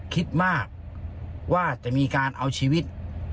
คิดมากว่าจะมีการเอาชีวิต